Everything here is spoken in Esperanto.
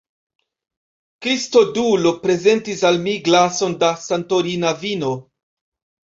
Kristodulo prezentis al mi glason da Santorina vino.